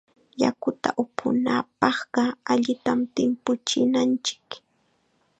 Yakuta upunapaqqa allitam timpuchinanchik.